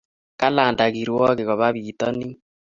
Kalanda kirwakik koba bitat ni